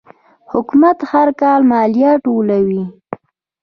حکومت هر کال مالیه ټولوي.